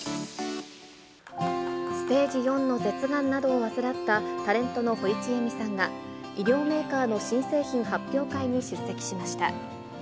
ステージ４の舌がんなどを患ったタレントの堀ちえみさんが、医療メーカーの新製品発表会に出席しました。